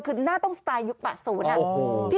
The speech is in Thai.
คือน่าต้องสไตล์ยุคปะศูนย์น่ะ